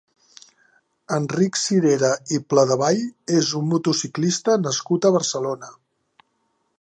Enric Sirera i Pladevall és un motociclista nascut a Barcelona.